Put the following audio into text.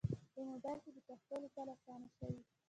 په موبایل کې پښتو لیکل اسانه شوي.